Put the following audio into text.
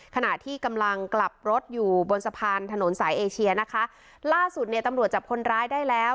ขณะที่กำลังกลับรถอยู่บนสะพานถนนสายเอเชียนะคะล่าสุดเนี่ยตำรวจจับคนร้ายได้แล้ว